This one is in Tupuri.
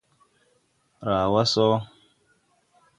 Raa wa sɔ.